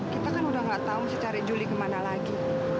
kita kan udah gak tahu secara juli kemana lagi